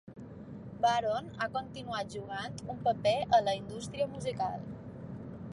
Baron ha continuat jugant un paper a la indústria musical.